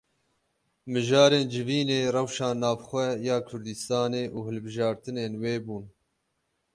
Mijarên civînê rewşa navxwe ya Kurdistanê û hilbijartinên wê bûn.